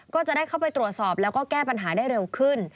ก็จะได้เข้าไปตรวจสอบแล้วก็แก้ปัญหาได้เร็วขึ้น